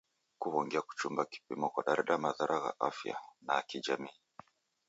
Kuw'ongia kuchumba kipimo kwadareda madhara gha afya na kijamii.